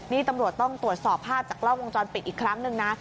นี่ตำรวจต้องตรวจสอบภาพจากกล้องวงจรปิดอีกครั้งหนึ่งนะ